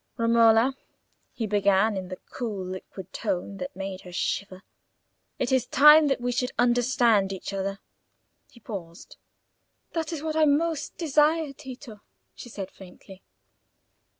"Romola," he began, in the cool liquid tone that made her shiver, "it is time that we should understand each other." He paused. "That is what I most desire, Tito," she said, faintly.